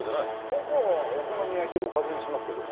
僕はお好み焼きをおかずにしますけどね。